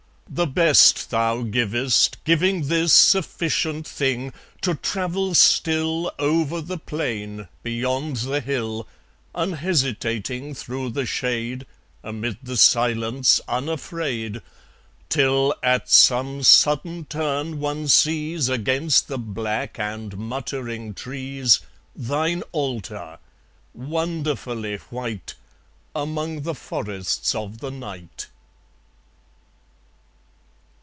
The best Thou givest, giving this Sufficient thing to travel still Over the plain, beyond the hill, Unhesitating through the shade, Amid the silence unafraid, Till, at some sudden turn, one sees Against the black and muttering trees Thine altar, wonderfully white, Among the Forests of the Night.